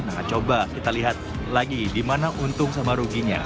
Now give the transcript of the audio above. nah coba kita lihat lagi di mana untung sama ruginya